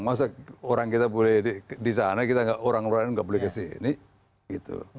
masa orang kita boleh di sana orang lain enggak boleh kesini gitu